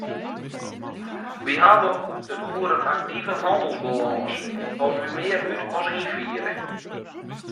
Wy hawwe it oer in aktive hannelsbalâns as wy mear út- as ynfiere.